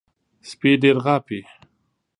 سپي ډېر غاپي .